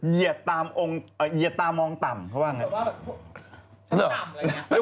เดี๋ยวตามองต่ำเขาว่าไง